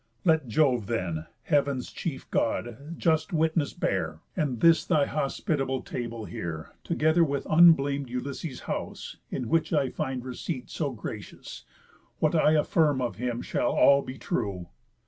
Let Jove then (Heav'n's chief God) just witness bear, And this thy hospitable table here, Together with unblam'd Ulysses' house, In which I find receipt so gracious, What I affirm'd of him shall all be true.